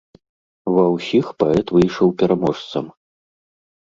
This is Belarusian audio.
Ва ўсіх паэт выйшаў пераможцам.